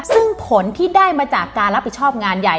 ซึ่งผลที่ได้มาจากการรับผิดชอบงานใหญ่